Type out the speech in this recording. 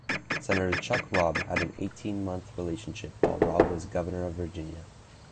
Senator Chuck Robb had an eighteen-month relationship while Robb was Governor of Virginia.